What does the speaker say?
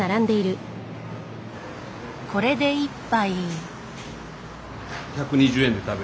これで１杯。